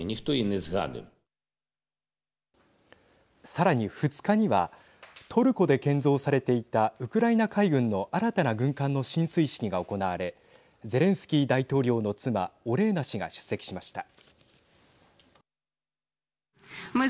さらに、２日にはトルコで建造されていたウクライナ海軍の新たな軍艦の進水式が行われゼレンスキー大統領の妻オレーナ氏が出席しました。